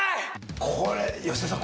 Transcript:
これ吉沢さん